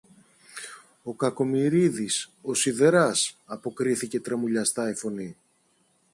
ο Κακομοιρίδης, ο σιδεράς, αποκρίθηκε τρεμουλιαστά η φωνή.